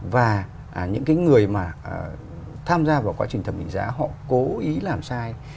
và những người tham gia vào quá trình thẩm định giá họ cố ý làm sai